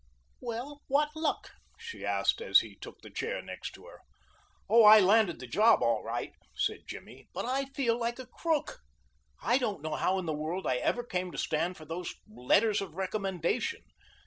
"Well, what luck?" she asked as he took the chair next to her. "Oh, I landed the job all right," said Jimmy, "but I feel like a crook. I don't know how in the world I ever came to stand for those letters of recommendation.